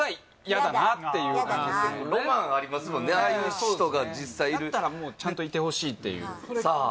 嫌だ嫌だなロマンありますもんねああいう人が実際いるだったらちゃんといてほしいっていうさあ